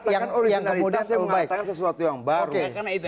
yang kemudian saya mengatakan sesuatu yang baru